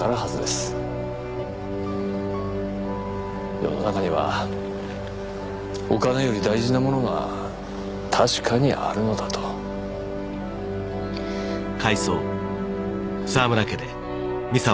世の中にはお金より大事なものが確かにあるのだとこれを私に？